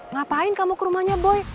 ngapain kamu ke rumahnya boy